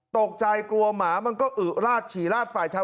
ตกใจกลัวหมามันก็อึราดฉี่ราดฝ่ายชาย